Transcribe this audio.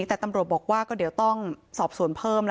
แต่ตำรวจบอกว่าก็เดี๋ยวต้องสอบสวนเพิ่ม